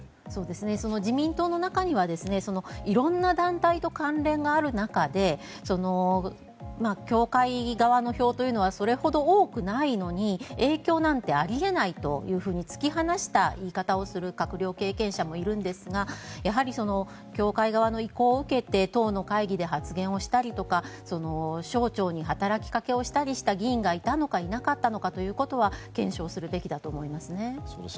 自民党の中には色んな団体と関連がある中で教会側の票というのはそれほど多くないというのに影響なんてあり得ないと突き放した言い方をする閣僚経験者もいるんですがやはり教会側の意向を受けて党の会議で発言したりとか省庁に働きかけをしたりした議員がいたのかいなかったのかということは検証するべきだと思います。